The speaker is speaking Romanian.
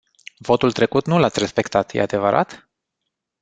Votul trecut nu l-ați respectat, e adevărat?